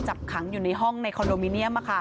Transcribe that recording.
จับขังอยู่ในห้องในคอนโดมิเนียม